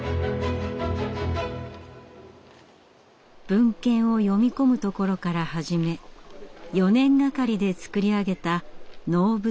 文献を読み込むところから始め４年がかりで造り上げた能舞台。